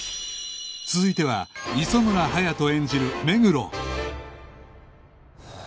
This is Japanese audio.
続いては磯村勇斗演じる目黒